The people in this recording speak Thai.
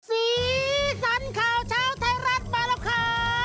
สีสันข่าวเช้าไทยรัฐมาแล้วค่ะ